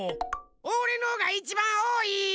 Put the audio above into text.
おれのがいちばんおおい！